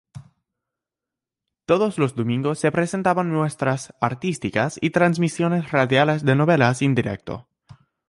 Todos los domingos se presentaban muestras artísticas y transmisiones radiales de novelas en directo.